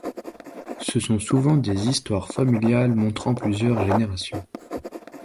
Ce sont souvent des histoires familiales montrant plusieurs générations.